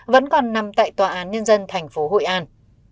vẫn còn nằm tại tòa án nhân dân tp hội an